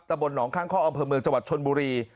ตะบนหนองข้างคอกอำเภอเมืองจวัดชนบุรี